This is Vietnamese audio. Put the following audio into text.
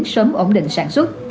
sớm ổn định sản xuất